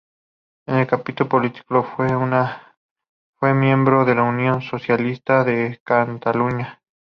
En el capítulo político fue miembro de la Unión Socialista de Cataluña.